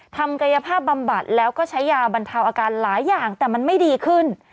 ทำกายภาพบำบัดแล้วก็ใช้ยาบรรเทาอาการหลายอย่างแต่มันไม่ดีขึ้น